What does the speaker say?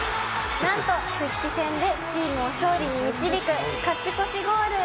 「なんと復帰戦でチームを勝利に導く勝ち越しゴール！」